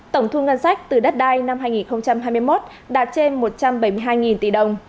tổng thu ngân sách từ đất đai năm hai nghìn hai mươi một đạt trên một trăm bảy mươi hai tỷ đồng